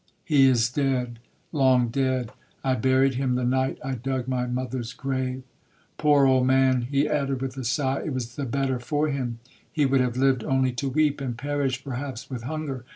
He is dead,—long dead! I buried him the night I dug my mother's grave! Poor old man,' he added with a sigh, 'it was the better for him,—he would have lived only to weep, and perish perhaps with hunger.